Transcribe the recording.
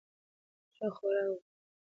ښه خوراک وکړئ.